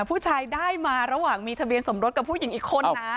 ผู้ชายได้มาระหว่างมีทะเบียนสมรสกับผู้หญิงอีกคนนะ